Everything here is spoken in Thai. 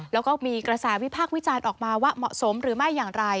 แล้วก็มีกระแสวิพากษ์วิจารณ์ออกมาว่าเหมาะสมหรือไม่อย่างไร